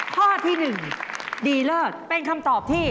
ข้อที่๑ดีเลิศเป็นคำตอบที่